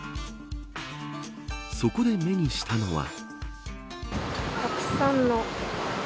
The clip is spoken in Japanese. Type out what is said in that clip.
そこで目にしのは。